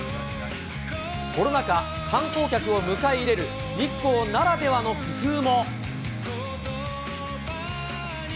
コロナ禍、観光客を迎え入れる、日光ならではの工夫も。